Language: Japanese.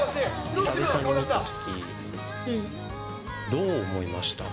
久々に見たとき、どう思いました？